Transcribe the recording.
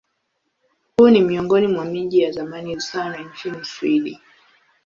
Huu ni miongoni mwa miji ya zamani sana nchini Uswidi.